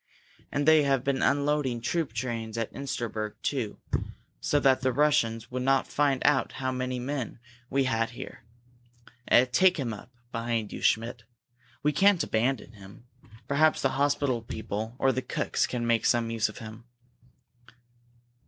And they have been unloading troop trains at Insterberg, too so that the Russians would not find out how many men we had here. Eh take him up behind you, Schmidt! We can't abandon him. Perhaps the hospital people or the cooks can make some use of him."